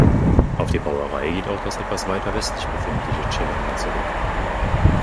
Auf die Brauerei geht auch das etwas weiter westlich befindliche Chalander zurück.